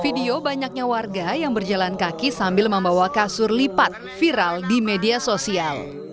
video banyaknya warga yang berjalan kaki sambil membawa kasur lipat viral di media sosial